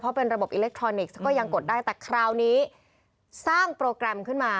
เป็นระบบอิเล็กทรอนิกส์ก็ยังกดได้แต่คราวนี้สร้างโปรแกรมขึ้นมา